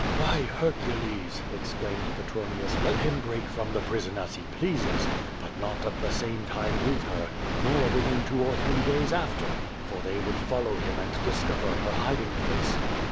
"By Hercules!" exclaimed Petronius, "let him break from the prison as he pleases, but not at the same time with her, nor within two or three days after, for they would follow him and discover her hiding place.